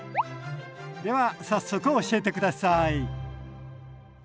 では早速教えて下さい。